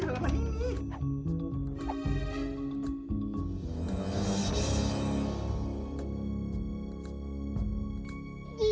gak ada yang dia lagi